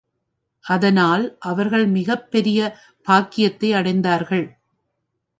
அதனால் அவர்கள் மிகப் பெரிய பாக்கியத்தை அடைந்தார்கள்.